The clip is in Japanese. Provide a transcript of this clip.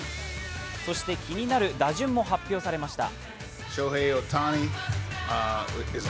そして気になる打順も発表されました。